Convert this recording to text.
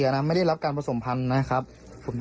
ไข่นี่ก็แตกทุกคน